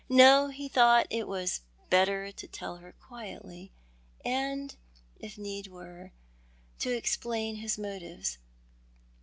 No, he thought, it was better to tell her quietly, and, if need were, to exjilain his motives.